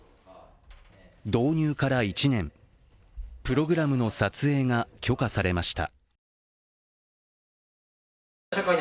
導入から１年プログラムの撮影が許可されました。